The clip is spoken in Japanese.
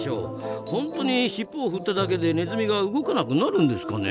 本当にしっぽを振っただけでネズミが動かなくなるんですかね？